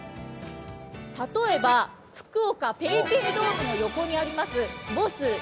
例えば、福岡ＰａｙＰａｙドームの横にあります